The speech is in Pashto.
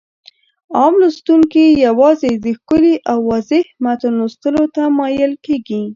عام لوستونکي يوازې د ښکلي او واضح متن لوستلو ته مايل کېږي.